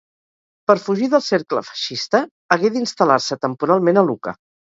Per fugir del cercle feixista, hagué d'instal·lar-se temporalment a Lucca.